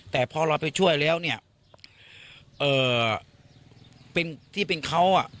แต่พอเราไปช่วยแล้วเนี่ยเป็นที่เป็นเขา